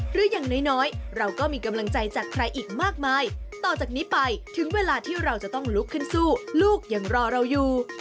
หรืออย่างน้อยเราก็มีกำลังใจจากใครอีกมากมายต่อจากนี้ไปถึงเวลาที่เราจะต้องลุกขึ้นสู้ลูกยังรอเราอยู่